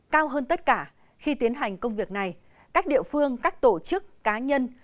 cao hơn tất cả khi tiến hành công việc này các địa phương các tổ chức cá nhân